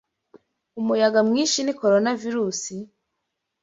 Umuyaga mwinshi ni Coronavirusi?